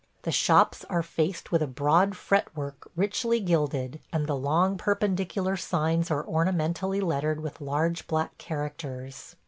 The shops are faced with a broad fretwork richly gilded, and the long perpendicular signs are ornamentally lettered with large black characters.